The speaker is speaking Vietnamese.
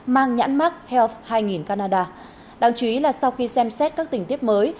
mang nhãn mark health hai canada đáng chú ý là sau khi xem xét các tình tiết mới